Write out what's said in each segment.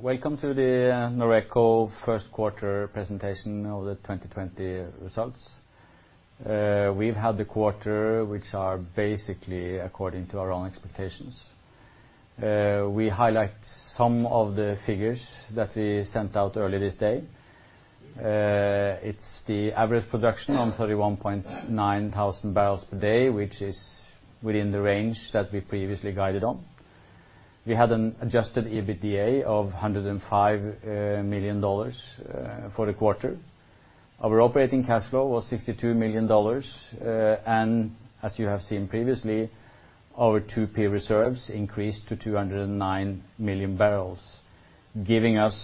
Welcome to the Noreco first quarter presentation of the 2020 results. We've had the quarter which are basically according to our own expectations. We highlight some of the figures that we sent out earlier this day. It's the average production on 31.9 thousand barrels per day, which is within the range that we previously guided on. We had an adjusted EBITDA of $105 million for the quarter. Our operating cash flow was $62 million. As you have seen previously, our 2P reserves increased to 209 million barrels, giving us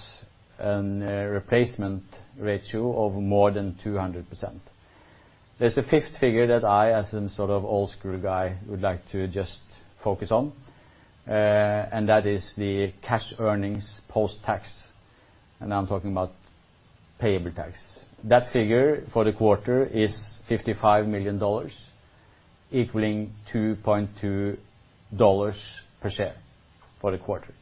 an replacement ratio of more than 200%. There's a fifth figure that I, as some sort of old-school guy, would like to just focus on. That is the cash earnings post-tax. I'm talking about payable tax. That figure for the quarter is $55 million, equaling $2.2 per share for the quarter.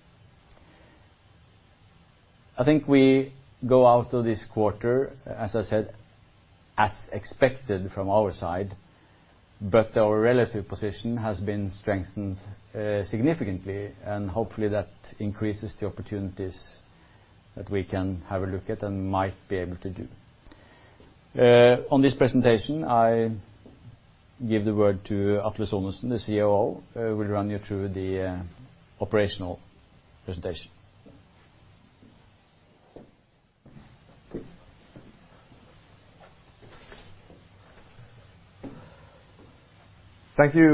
I think we go out of this quarter, as I said, as expected from our side, but our relative position has been strengthened significantly, and hopefully that increases the opportunities that we can have a look at and might be able to do. On this presentation I give the word to Atle Sonesen, the COO, will run you through the operational presentation. Thank you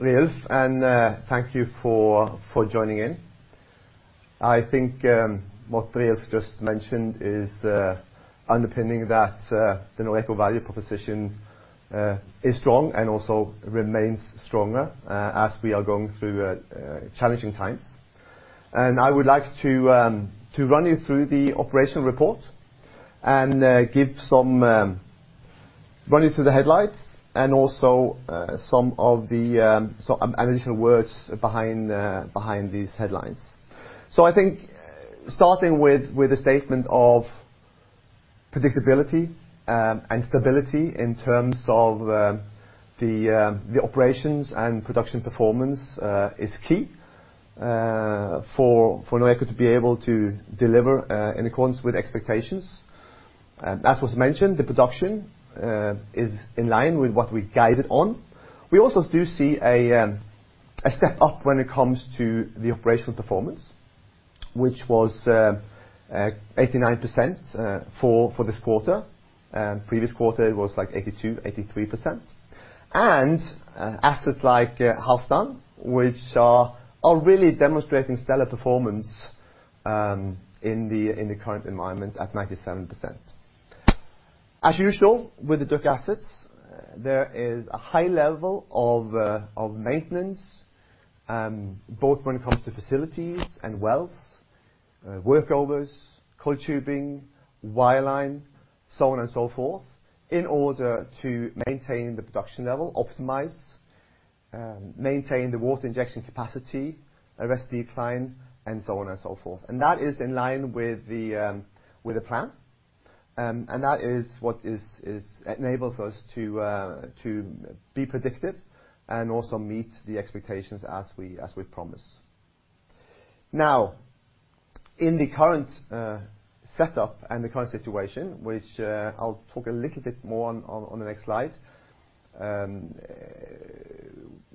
Riulf, and thank you for joining in. I think what Riulf just mentioned is underpinning that the Noreco value proposition is strong and also remains stronger as we are going through challenging times. I would like to run you through the operational report and give some run you through the headlines and also some of the analytical words behind these headlines. I think starting with the statement of predictability and stability in terms of the operations and production performance is key for Noreco to be able to deliver in accordance with expectations. As was mentioned, the production is in line with what we guided on. We also do see a step up when it comes to the operational performance, which was 89% for this quarter. Previous quarter it was like 82%-83%. Assets like Halfdan, which are really demonstrating stellar performance in the current environment at 97%. As usual with the DUC assets, there is a high level of maintenance, both when it comes to facilities and wells, workovers, coiled tubing, wireline, so on and so forth, in order to maintain the production level, optimize, maintain the water injection capacity, arrest decline, and so on and so forth. That is in line with the plan. That is what enables us to be predictive and also meet the expectations as we promise. In the current setup and the current situation, which I'll talk a little bit more on the next slide,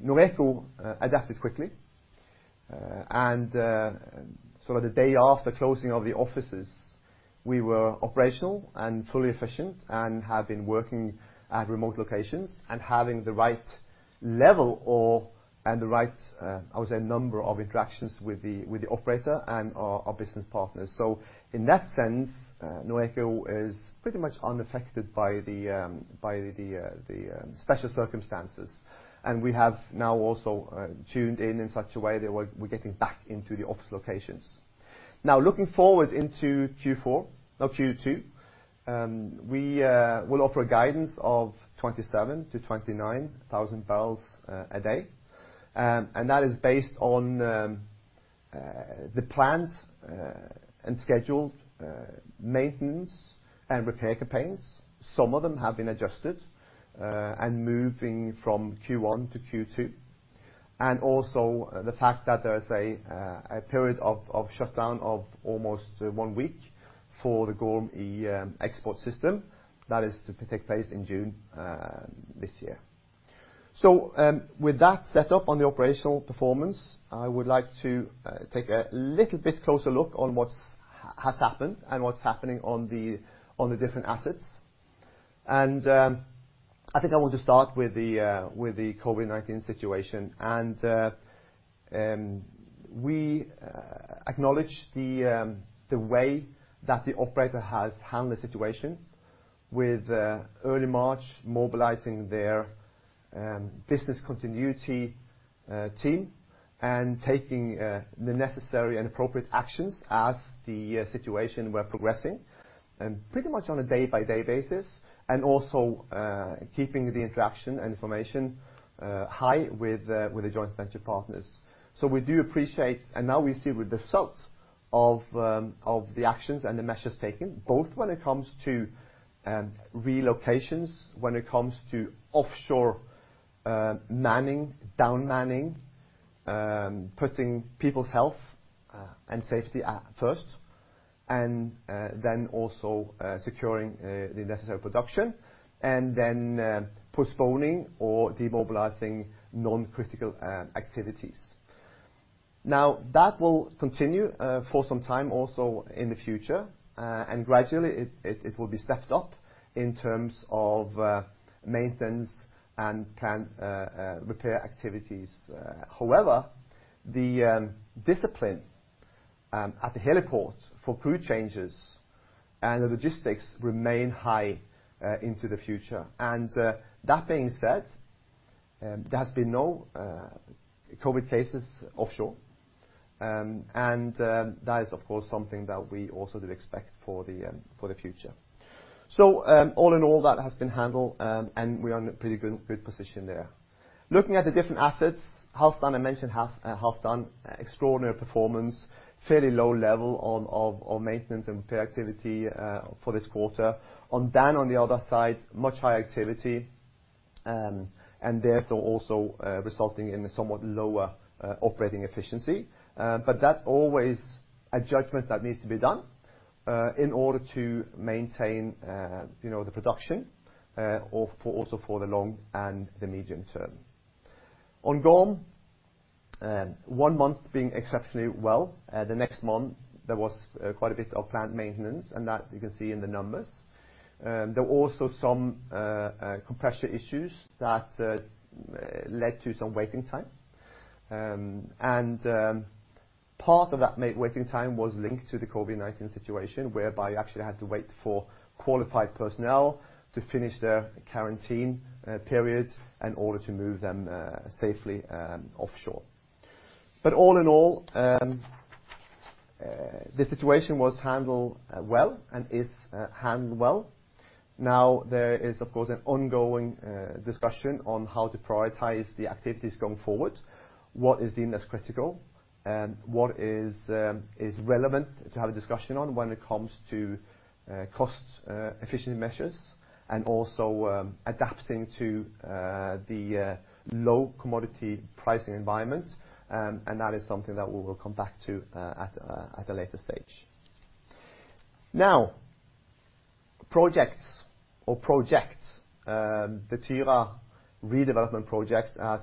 Noreco adapted quickly. Sort of the day after closing of the offices, we were operational and fully efficient and have been working at remote locations and having the right level or, and the right, I would say number of interactions with the operator and our business partners. In that sense, Noreco is pretty much unaffected by the special circumstances. We have now also tuned in in such a way that we're getting back into the office locations. Looking forward into Q4, no Q2, we will offer a guidance of 27,000-29,000 barrels a day. That is based on the plans and scheduled maintenance and repair campaigns. Some of them have been adjusted and moving from Q1 to Q2. Also the fact that there is a period of shutdown of almost one week for the Gorm E export system that is to take place in June this year. With that set up on the operational performance, I would like to take a little bit closer look on what's happened and what's happening on the different assets. I think I want to start with the COVID-19 situation. We acknowledge the way that the operator has handled the situation with early March, mobilizing their business continuity team and taking the necessary and appropriate actions as the situation were progressing pretty much on a day by day basis, and also keeping the interaction and information high with the joint venture partners. We do appreciate, and now we see with the results of the actions and the measures taken, both when it comes to relocations, when it comes to offshore manning, down manning, putting people's health and safety at first, and then also securing the necessary production, and then postponing or demobilizing non-critical activities. That will continue for some time also in the future. Gradually it will be stepped up in terms of maintenance and repair activities. However, the discipline at the heliport for crew changes and the logistics remain high into the future. That being said, there has been no COVID-19 cases offshore. That is, of course, something that we also do expect for the future. All in all that has been handled, and we are in a pretty good position there. Looking at the different assets, Halfdan, I mentioned Halfdan, extraordinary performance, fairly low level of maintenance and repair activity for this quarter. On Dan, on the other side, much higher activity and therefore, also resulting in a somewhat lower operating efficiency. That's always a judgment that needs to be done in order to maintain, you know, the production for also for the long and the medium term. On Gorm, one month being exceptionally well, the next month, there was quite a bit of plant maintenance, and that you can see in the numbers. There were also some compressor issues that led to some waiting time. Part of that waiting time was linked to the COVID-19 situation, whereby you actually had to wait for qualified personnel to finish their quarantine period in order to move them safely offshore. All in all, the situation was handled well and is handled well. Now there is, of course, an ongoing discussion on how to prioritize the activities going forward. What is deemed as critical, what is relevant to have a discussion on when it comes to cost efficiency measures and also adapting to the low commodity pricing environment, and that is something that we will come back to at a later stage. Now, projects or project, the Tyra redevelopment project, as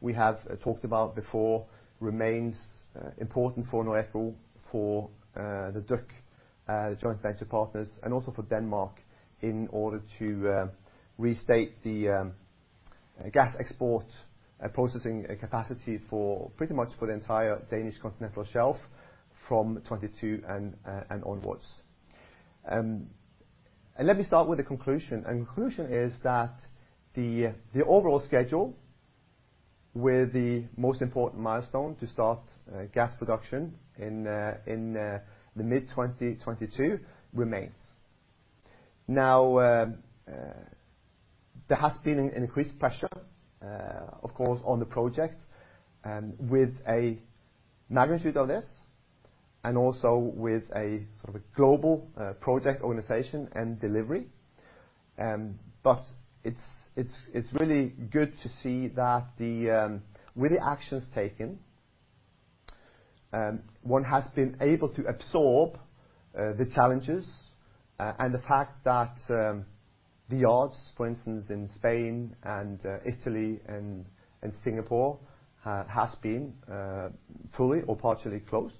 we have talked about before, remains important for Noreco, for the DUC joint venture partners, and also for Denmark in order to restate the gas export processing capacity for pretty much for the entire Danish continental shelf from 2022 and onwards. Let me start with the conclusion. Conclusion is that the overall schedule with the most important milestone to start gas production in the mid-2022 remains. There has been an increased pressure, of course, on the project, with a magnitude of this and also with a sort of a global project organization and delivery. It's really good to see that with the actions taken, one has been able to absorb the challenges and the fact that the yards, for instance, in Spain and Italy and Singapore has been fully or partially closed.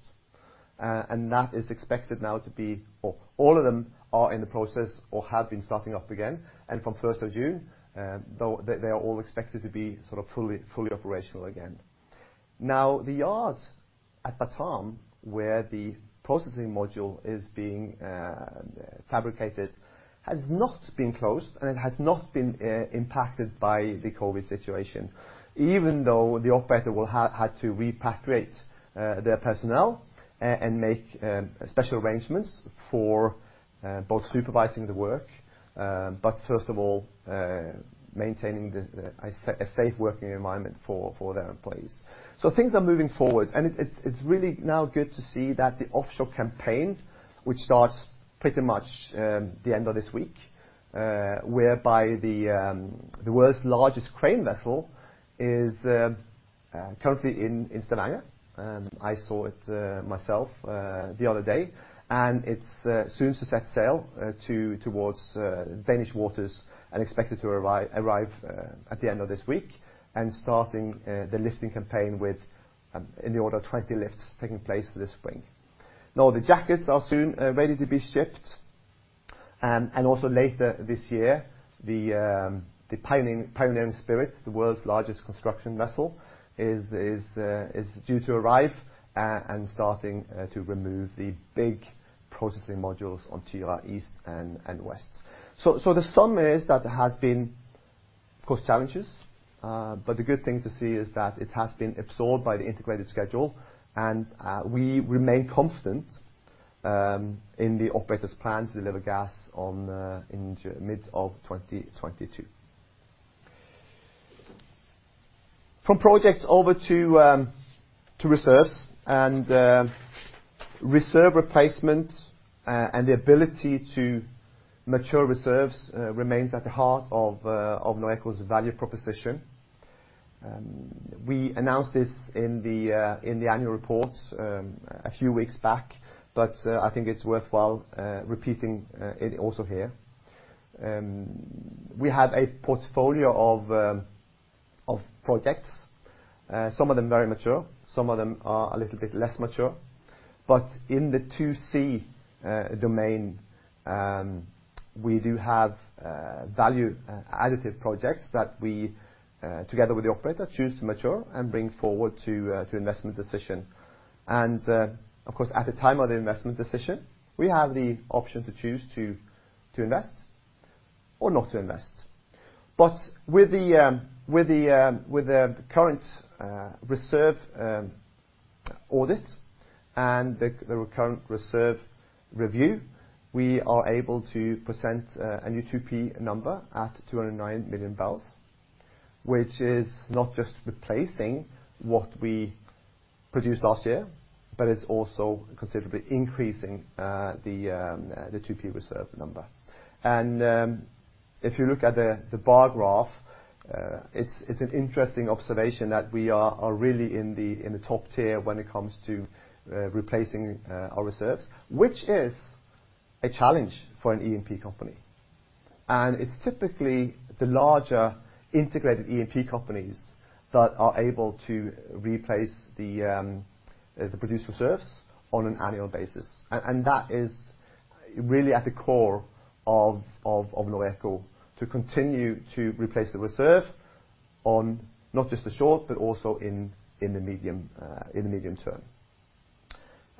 That is expected now all of them are in the process or have been starting up again. From first of June, though they are all expected to be sort of fully operational again. The yards at Batam, where the processing module is being fabricated, has not been closed, and it has not been impacted by the COVID situation even though the operator had to repatriate their personnel and make special arrangements for both supervising the work, but first of all, maintaining a safe working environment for their employees. Things are moving forward and it's really now good to see that the offshore campaign, which starts pretty much the end of this week, whereby the world's largest crane vessel is currently in Stavanger. I saw it myself the other day and it's soon to set sail to, towards Danish waters and expected to arrive at the end of this week and starting the lifting campaign with in the order of 20 lifts taking place this spring. The jackets are soon ready to be shipped. Also later this year, the Pioneering Spirit, the world's largest construction vessel is due to arrive and starting to remove the big processing modules on Tyra East and West. The sum is that there has been, of course, challenges, but the good thing to see is that it has been absorbed by the integrated schedule, we remain confident in the operator's plan to deliver gas on in mid of 2022. From projects over to reserves and reserve replacement and the ability to mature reserves remains at the heart of Noreco's value proposition. We announced this in the annual report a few weeks back, I think it's worthwhile repeating it also here. We have a portfolio of projects, some of them very mature, some of them are a little bit less mature. In the 2C domain, we do have value additive projects that we together with the operator, choose to mature and bring forward to investment decision. Of course, at the time of the investment decision, we have the option to choose to invest or not to invest. With the current reserve audit and the current reserve review, we are able to present a new 2P number at 209 million barrels, which is not just replacing what we produced last year, but it's also considerably increasing the 2P reserve number. If you look at the bar graph, it's an interesting observation that we are really in the top tier when it comes to replacing our reserves, which is a challenge for an E&P company. It's typically the larger integrated E&P companies that are able to replace the produced reserves on an annual basis. That is really at the core of Noreco, to continue to replace the reserve on not just the short, but also in the medium, in the medium term.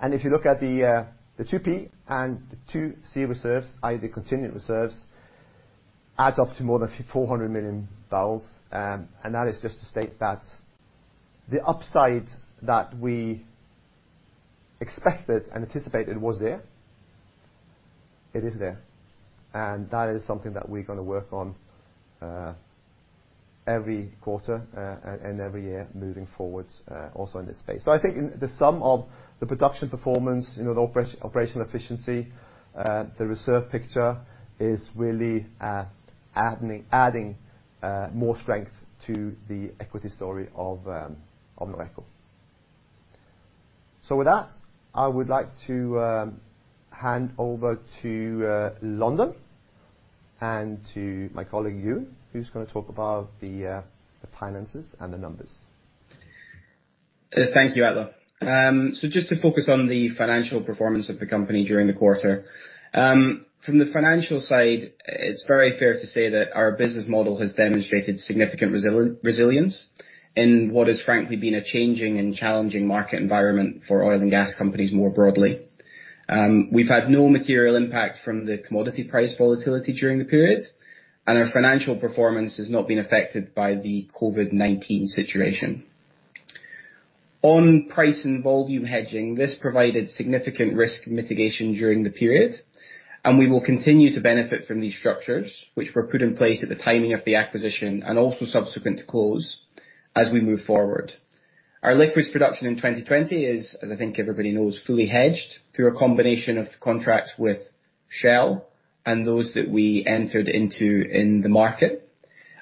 If you look at the 2P and the 2C reserves, i.e., the contingent reserves, adds up to more than 400 million barrels and that is just to state that the upside that we expected and anticipated was there, it is there. That is something that we're gonna work on, every quarter, and every year moving forward, also in this space. I think in the sum of the production performance, you know, the operational efficiency, the reserve picture is really adding more strength to the equity story of Noreco. With that, I would like to hand over to London and to my colleague, Euan, who's gonna talk about the finances and the numbers. Thank you, Atle. Just to focus on the financial performance of the company during the quarter. From the financial side, it's very fair to say that our business model has demonstrated significant resilience in what has frankly been a changing and challenging market environment for oil and gas companies more broadly. We've had no material impact from the commodity price volatility during the period, and our financial performance has not been affected by the COVID-19 situation. On price and volume hedging, this provided significant risk mitigation during the period. We will continue to benefit from these structures, which were put in place at the timing of the acquisition and also subsequent to close as we move forward. Our liquids production in 2020 is, as I think everybody knows, fully hedged through a combination of contracts with Shell and those that we entered into in the market.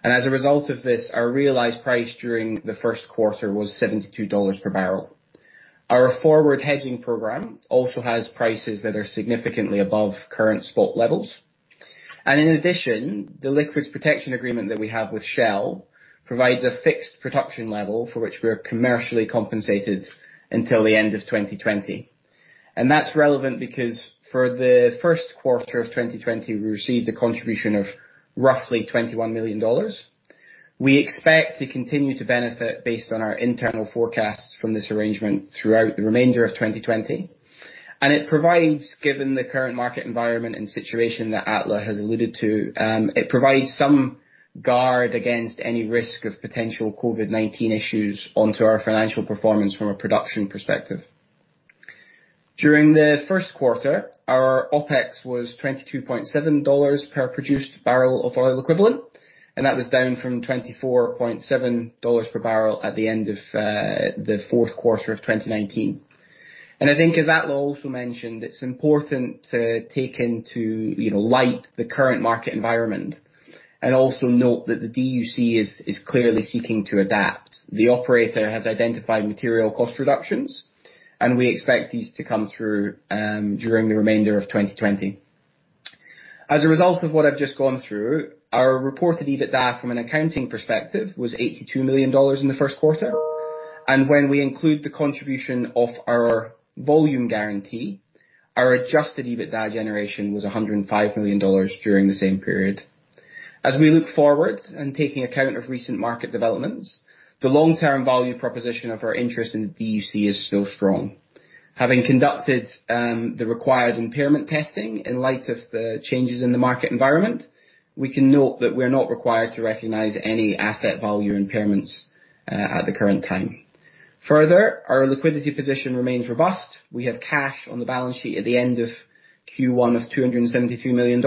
As a result of this, our realized price during the first quarter was $72 per barrel. Our forward hedging program also has prices that are significantly above current spot levels. In addition, the liquids protection agreement that we have with Shell provides a fixed production level for which we are commercially compensated until the end of 2020. That's relevant because for the first quarter of 2020, we received a contribution of roughly $21 million. We expect to continue to benefit based on our internal forecasts from this arrangement throughout the remainder of 2020, and it provides, given the current market environment and situation that Atle has alluded to, it provides some guard against any risk of potential COVID-19 issues onto our financial performance from a production perspective. During the first quarter, our OPEX was $22.7 per produced barrel of oil equivalent. That was down from $24.7 per barrel at the end of the fourth quarter of 2019. I think as Atle also mentioned, it's important to take into, you know, light the current market environment and also note that the DUC is clearly seeking to adapt. The operator has identified material cost reductions, and we expect these to come through during the remainder of 2020. As a result of what I've just gone through, our reported EBITDA from an accounting perspective was $82 million in the first quarter. When we include the contribution of our volume guarantee, our adjusted EBITDA generation was $105 million during the same period. We look forward and taking account of recent market developments, the long-term value proposition of our interest in DUC is still strong. Having conducted the required impairment testing in light of the changes in the market environment, we can note that we're not required to recognize any asset value impairments at the current time. Our liquidity position remains robust. We have cash on the balance sheet at the end of Q1 of $272 million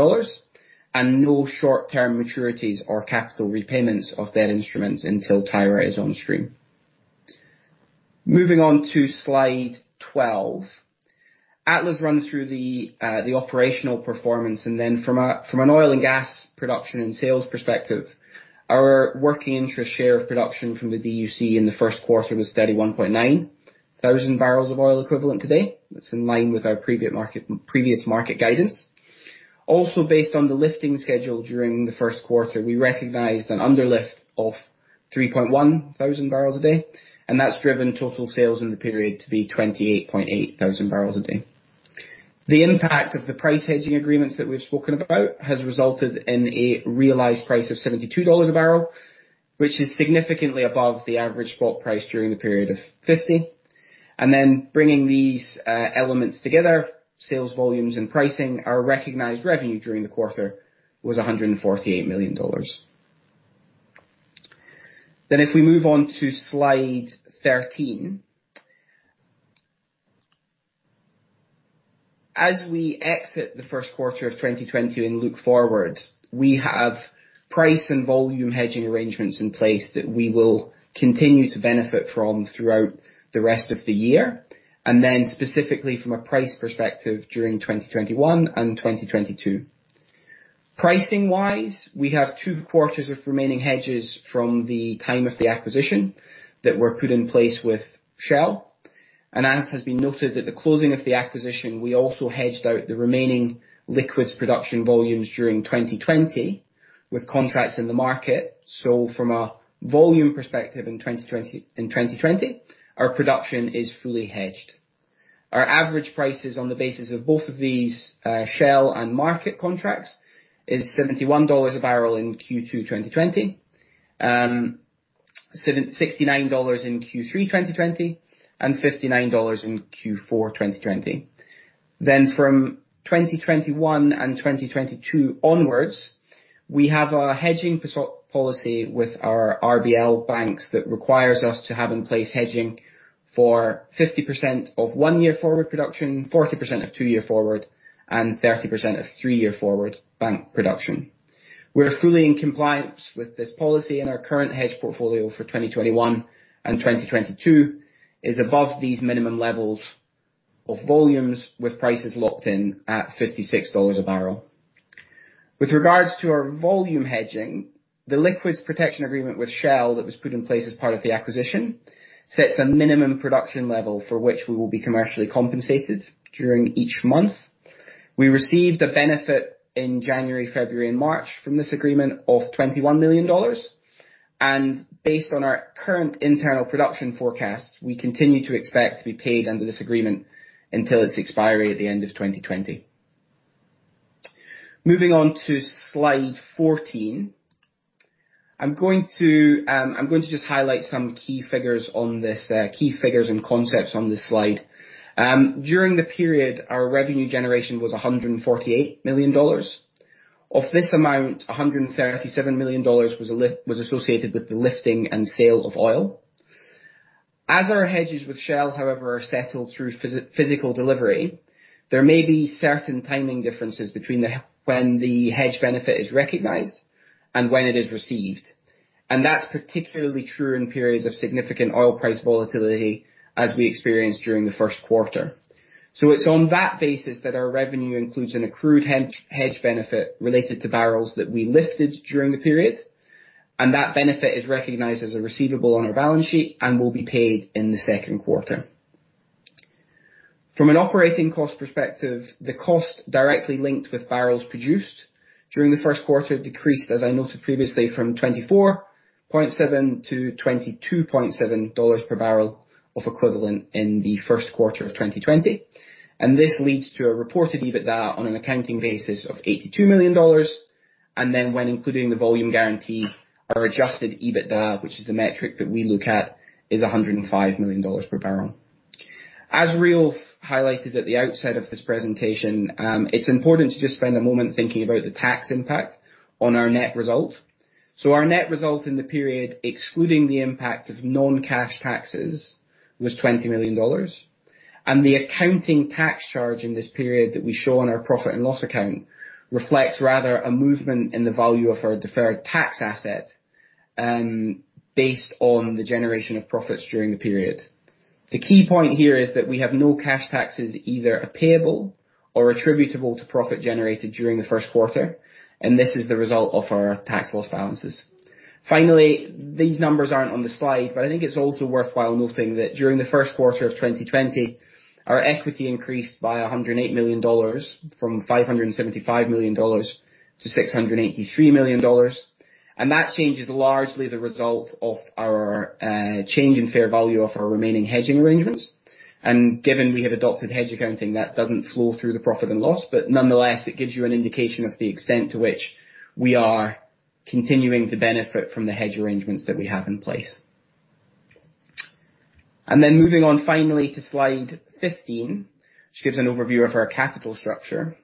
and no short-term maturities or capital repayments of debt instruments until Tyra is on stream. Moving on to slide 12. Atle runs through the operational performance. From a, from an oil and gas production and sales perspective, our working interest share of production from the DUC in the first quarter was 31.9 thousand barrels of oil equivalent today. That's in line with our previous market guidance. Based on the lifting schedule during the first quarter, we recognized an underlift of 3.1 thousand barrels a day. That's driven total sales in the period to be 28.8 thousand barrels a day. The impact of the price hedging agreements that we've spoken about has resulted in a realized price of $72 a barrel, which is significantly above the average spot price during the period of $50. Bringing these elements together, sales volumes, and pricing our recognized revenue during the quarter was $148 million. If we move on to slide 13. As we exit the first quarter of 2020 and look forward, we have price and volume hedging arrangements in place that we will continue to benefit from throughout the rest of the year, specifically from a price perspective during 2021 and 2022. Pricing-wise, we have two quarters of remaining hedges from the time of the acquisition that were put in place with Shell. As has been noted at the closing of the acquisition, we also hedged out the remaining liquids production volumes during 2020 with contracts in the market. From a volume perspective in 2020, our production is fully hedged. Our average prices on the basis of both of these, Shell and market contracts is $71 a barrel in Q2 2020, $69 in Q3 2020, and $59 in Q4 2020. From 2021 and 2022 onwards, we have a hedging policy with our RBL banks that requires us to have in place hedging for 50% of 1-year forward production, 40% of 2-year forward, and 30% of three-year forward bank production. We are fully in compliance with this policy, and our current hedge portfolio for 2021 and 2022 is above these minimum levels of volumes with prices locked in at $56 a barrel. With regards to our volume hedging, the liquids protection agreement with Shell that was put in place as part of the acquisition sets a minimum production level for which we will be commercially compensated during each month. We received a benefit in January, February, and March from this agreement of $21 million. Based on our current internal production forecasts, we continue to expect to be paid under this agreement until its expiry at the end of 2020. Moving on to slide 14. I'm going to just highlight key figures and concepts on this slide. During the period, our revenue generation was $148 million. Of this amount, $137 million was associated with the lifting and sale of oil. As our hedges with Shell however, are settled through physical delivery, there may be certain timing differences between when the hedge benefit is recognized and when it is received. That's particularly true in periods of significant oil price volatility as we experienced during the first quarter. It's on that basis that our revenue includes an accrued hedge benefit related to barrels that we lifted during the period, and that benefit is recognized as a receivable on our balance sheet and will be paid in the second quarter. From an operating cost perspective, the cost directly linked with barrels produced during the first quarter decreased, as I noted previously from $24.7 to $22.7 per barrels of oil equivalent in the first quarter of 2020. This leads to a reported EBITDA on an accounting basis of $82 million. When including the volume guarantee, our adjusted EBITDA, which is the metric that we look at, is $105 million per barrel. As Riulf highlighted at the outset of this presentation, it's important to just spend a moment thinking about the tax impact on our net result. Our net result in the period, excluding the impact of non-cash taxes, was $20 million. The accounting tax charge in this period that we show on our profit and loss account reflects rather a movement in the value of our deferred tax asset, based on the generation of profits during the period. The key point here is that we have no cash taxes either payable or attributable to profit generated during the first quarter, and this is the result of our tax loss balances. Finally, these numbers aren't on the slide, but I think it's also worthwhile noting that during the first quarter of 2020, our equity increased by $108 million from $575 million to $683 million. That change is largely the result of our change in fair value of our remaining hedging arrangements. Given we have adopted hedge accounting, that doesn't flow through the profit and loss, but nonetheless, it gives you an indication of the extent to which we are continuing to benefit from the hedge arrangements that we have in place. Moving on finally to slide 15, which gives an overview of our capital structure.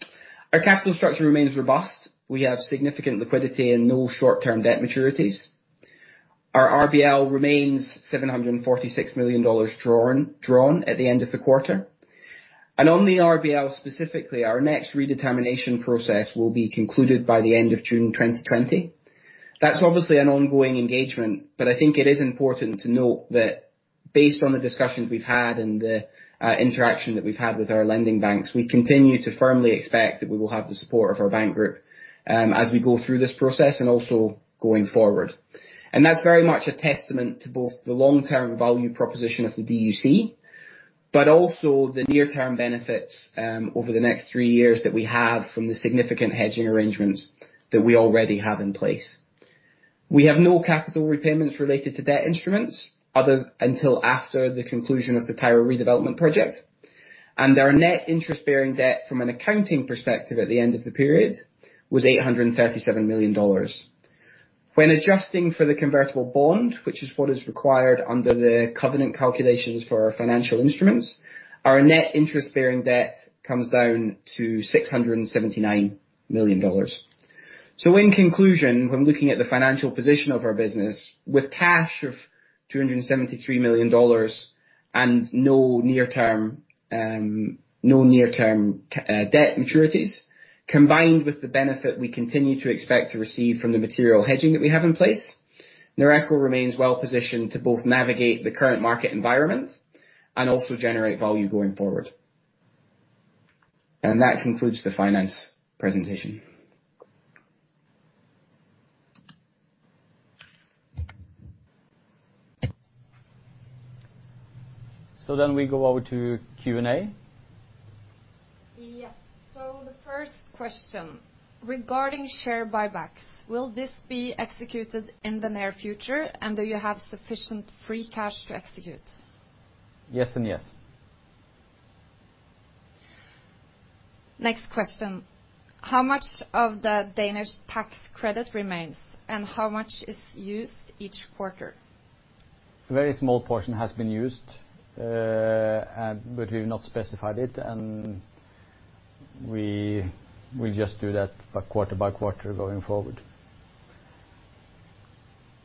Our capital structure remains robust. We have significant liquidity and no short-term debt maturities. Our RBL remains $746 million drawn at the end of the quarter. On the RBL specifically, our next redetermination process will be concluded by the end of June 2020. That's obviously an ongoing engagement, but I think it is important to note that based on the discussions we've had and the interaction that we've had with our lending banks, we continue to firmly expect that we will have the support of our bank group as we go through this process and also going forward. That's very much a testament to both the long-term value proposition of the DUC but also the near-term benefits over the next three years that we have from the significant hedging arrangements that we already have in place. We have no capital repayments related to debt instruments until after the conclusion of the Tyra redevelopment project. Our net interest-bearing debt from an accounting perspective at the end of the period was $837 million. When adjusting for the convertible bond, which is what is required under the covenant calculations for our financial instruments, our net interest-bearing debt comes down to $679 million. In conclusion, when looking at the financial position of our business, with cash of $273 million and no near-term, no near-term debt maturities, combined with the benefit we continue to expect to receive from the material hedging that we have in place, Noreco remains well positioned to both navigate the current market environment and also generate value going forward. That concludes the finance presentation. We go over to Q&A. Yes. The first question: regarding share buybacks, will this be executed in the near future, and do you have sufficient free cash to execute? Yes and yes. Next question: How much of the Danish tax credit remains, and how much is used each quarter? A very small portion has been used, but we've not specified it, and we just do that by quarter by quarter going forward.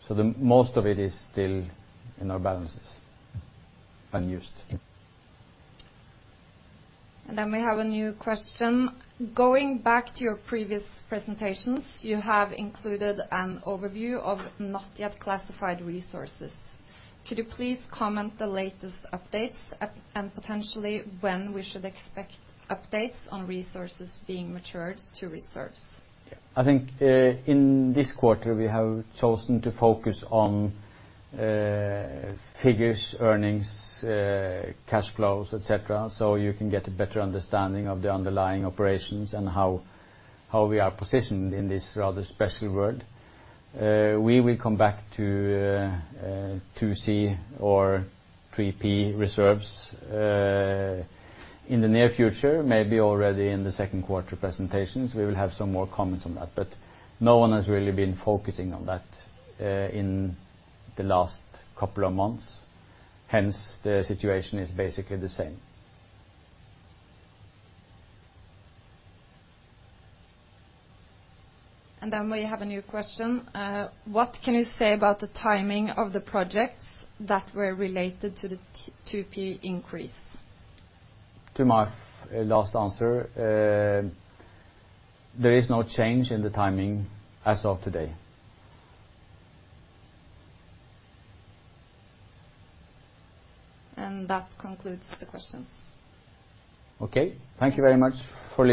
The most of it is still in our balances, unused. We have a new question: Going back to your previous presentations, you have included an overview of not yet classified resources. Could you please comment the latest updates at - and potentially when we should expect updates on resources being matured to reserves? I think in this quarter, we have chosen to focus on figures, earnings, cash flows, et cetera, so you can get a better understanding of the underlying operations and how we are positioned in this rather special world. We will come back to 2C or 3P reserves in the near future, maybe already in the second quarter presentations, we will have some more comments on that. No one has really been focusing on that in the last couple of months. Hence, the situation is basically the same. We have a new question: What can you say about the timing of the projects that were related to the 2P increase? To my last answer, there is no change in the timing as of today. That concludes the questions. Okay. Thank you very much for -